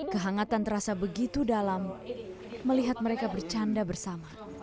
kehangatan terasa begitu dalam melihat mereka bercanda bersama